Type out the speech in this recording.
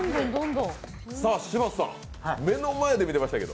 柴田さん、目の前で見てましたけど？